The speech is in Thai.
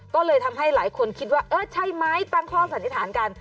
ก็เลยทำให้หลายคนคิดว่าเออใช่ไหมตั้งข้อสันนิษฐานกัน